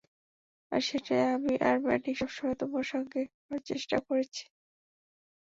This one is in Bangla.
আর সেটাই আমি আর ম্যাডি সবসময় তোমার সঙ্গে করার চেষ্টা করেছি।